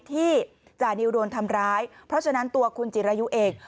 จานิวโดนทำร้ายเพราะฉะนั้นตัวคุณจิรายุเอง